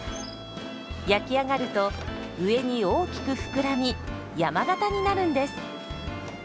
焼き上がると上に大きく膨らみ山型になるんです。